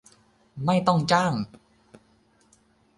ไม่ต้องจ้าง